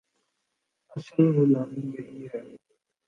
اصل غلامی یہی ہے۔